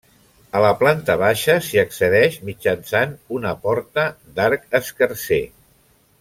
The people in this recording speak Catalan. A la planta baixa s'hi accedeix mitjançant una porta d'arc escarser.